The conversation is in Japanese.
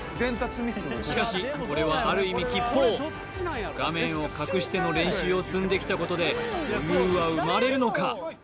しかしこれはある意味吉報画面を隠しての練習を積んできたことで余裕は生まれるのか？